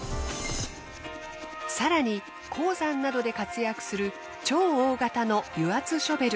更に鉱山などで活躍する超大型の油圧ショベル。